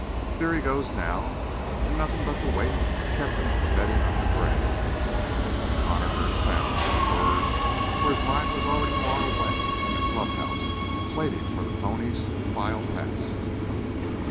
"There he goes now. And nothing but the weight kept him from bettin' on the gray." Connor heard sounds, not words, for his mind was already far away in a club house, waiting for the "ponies" to file past.